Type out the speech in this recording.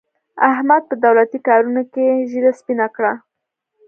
احمد په دولتي کارونو کې ږېره سپینه کړه.